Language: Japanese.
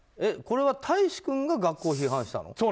これは大維志君が学校を批判したの？